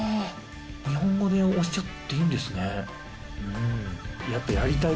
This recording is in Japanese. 日本語で押しちゃっていいんですね。